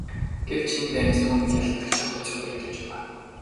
Гэвч энэ дайнд түүнийг ялагдагчийн хувь зохиол хүлээж байгаа.